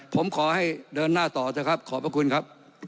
ผมขอให้เดินหน้าต่อเถอะครับขอบพระคุณครับ